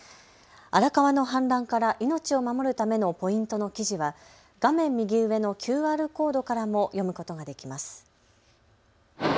荒川の氾濫から命を守るためのポイントの記事は画面右上のＱＲコードからも読むことができます。